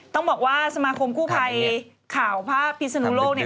ต้องบอกว่าสมาคมกู้ภัยข่าวภาพพิศนุโลกเนี่ย